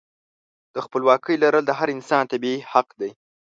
د خپلواکۍ لرل د هر انسان طبیعي حق دی.